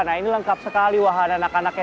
nah ini lengkap sekali wahana anak anaknya